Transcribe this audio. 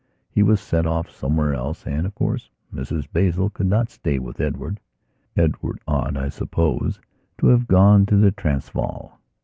He was sent off somewhere else and, of course, Mrs Basil could not stay with Edward. Edward ought, I suppose, to have gone to the Transvaal.